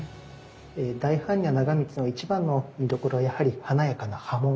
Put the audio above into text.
大般若長光の一番の見どころはやはり華やかな刃文。